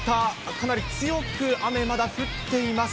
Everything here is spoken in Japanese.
かなり強く雨、まだ降っています。